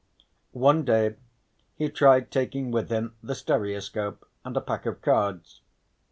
One day he tried taking with him the stereoscope and a pack of cards.